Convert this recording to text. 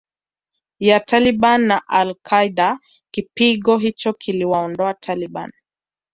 ya Taliban na Al Qaeda Kipigo hicho kiliwaondoa Taliban